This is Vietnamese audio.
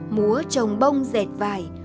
múa trồng bông dệt vải